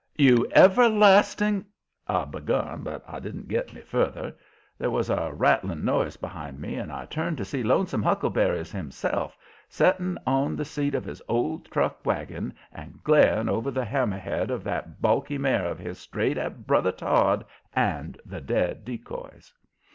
"You everlasting " I begun, but I didn't get any further. There was a rattling noise behind me, and I turned, to see Lonesome Huckleberries himself, setting on the seat of his old truck wagon and glaring over the hammer head of that balky mare of his straight at brother Todd and the dead decoys.